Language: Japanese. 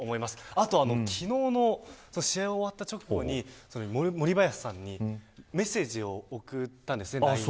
あと、昨日の試合終わった直後に森林さんにメッセージを送ったんです。